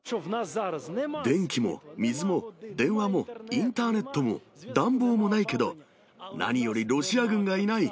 電気も水も電話もインターネットも、暖房もないけど、何よりロシア軍がいない！